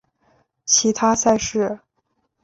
其他赛事